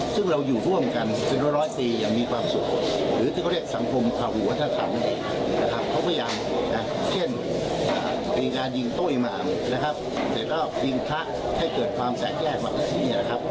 เช่นเป็นการยิงโต้อิมามนะครับแต่ก็ยิงพระให้เกิดความแตกแยกมากขึ้นที่นี่นะครับ